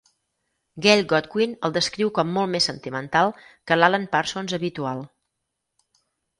Gail Godwin el descriu com molt més sentimental que l'Alan Parsons habitual.